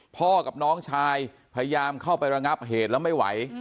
พ่อกับน้องชายพยายามเข้าไประงับเหตุแล้วไม่ไหว